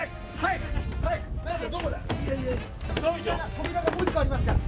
扉がもう１個ありますから。